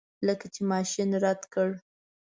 لکه چې ماشین رد کړ.